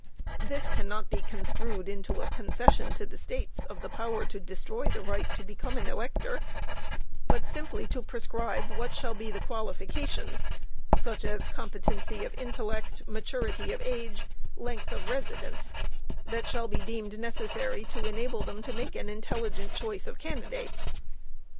This cannot be construed into a concession to the States of the power to destroy the right to become an elector, but simply to prescribe what shall be the qualifications, such as competency of intellect, maturity of age, length of residence, that shall be deemed necessary to enable them to make an intelligent choice of candidates.